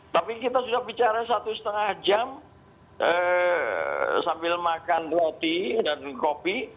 tapi kita sudah bicara satu setengah jam sambil makan roti dan kopi